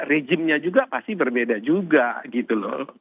rejimnya juga pasti berbeda juga gitu loh